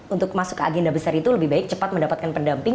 untuk masuk ke agenda besar itu lebih baik cepat mendapatkan pendamping